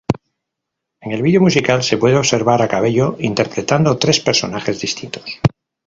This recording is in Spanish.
En el vídeo musical se puede observar a Cabello interpretando tres personajes distintos.